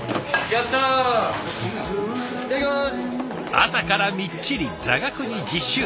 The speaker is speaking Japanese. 朝からみっちり座学に実習。